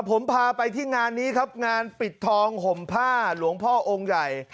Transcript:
ผมพาไปที่งานนี้ครับงานปิดทองห่มผ้าหลวงพ่อองค์ใหญ่